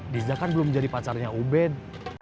diza kan belum menjadi pacarnya ubed